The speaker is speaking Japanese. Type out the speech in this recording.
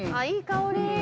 いい香り。